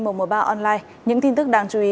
mùa ba online những tin tức đáng chú ý